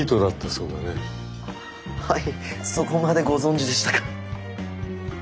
はいそこまでご存じでしたか。